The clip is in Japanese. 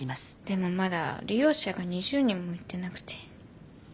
でもまだ利用者が２０人もいってなくて。